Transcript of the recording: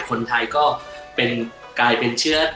คนไทยก็กลายเป็นเชื้อ